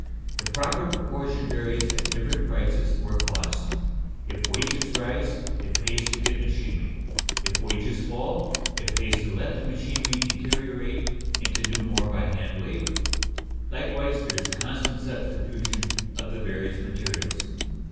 The proper proportion varies at different prices, or costs. If wages rise, "it pays" to get machinery; if wages fall, it pays to let the machinery deteriorate and to do more by hand labor. Likewise there is constant substitution of the various materials.